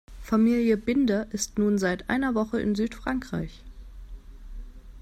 Familie Binder ist nun seit einer Woche in Südfrankreich.